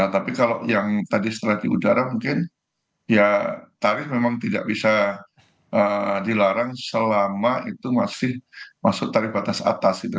tapi kalau yang tadi setelah di udara mungkin ya tarif memang tidak bisa dilarang selama itu masih masuk tarif batas atas gitu